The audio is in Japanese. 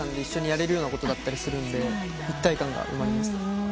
やれるようなことだったりするんで一体感が生まれます。